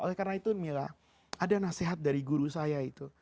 oleh karena itu mila ada nasihat dari guru saya itu